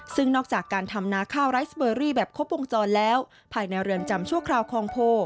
ซึ่งนอกจากการทำนาข้าวไรสเบอรี่แบบครบวงจรแล้วภายในเรือนจำชั่วคราวคลองโพ